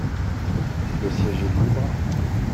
Le siège est libre ?